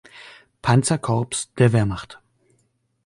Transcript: Panzerkorps der Wehrmacht.